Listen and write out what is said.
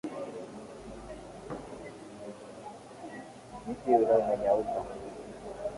Mti ule umenyauka .